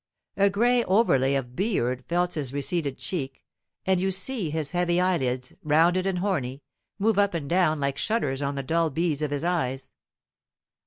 A gray overlay of beard felts his receded cheek, and you see his heavy eyelids, rounded and horny, move up and down like shutters on the dull beads of his eyes.